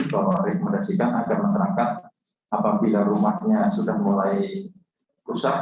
bahwa rekomendasikan agar mengerangkan apabila rumahnya sudah mulai rusak